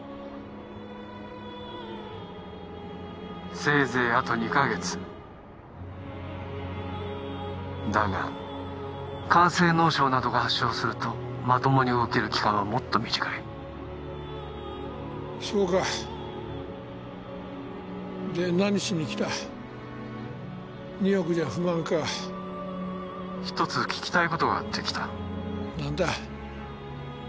せいぜいあと２カ月だが肝性脳症などが発症するとまともに動ける期間はもっと短いそうかで何しに来た２億じゃ不満か一つ聞きたいことがあって来た何だ？